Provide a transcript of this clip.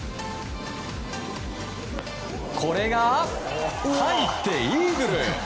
これが入ってイーグル。